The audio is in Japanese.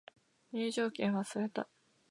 入場券忘れた